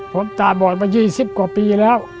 เปิดตาบอดวันยี่สิบกว่าปีแล้ว